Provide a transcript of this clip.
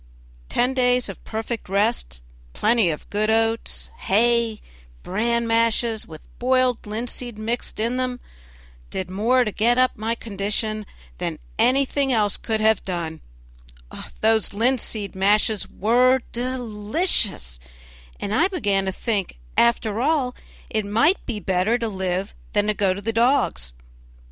Ten days of perfect rest, plenty of good oats, hay, bran mashes, with boiled linseed mixed in them, did more to get up my condition than anything else could have done; those linseed mashes were delicious, and I began to think, after all, it might be better to live than go to the dogs.